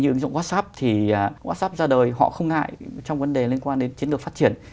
như ứng dụng whatsapp thì whatsapp ra đời họ không ngại trong vấn đề liên quan đến chiến lược phát triển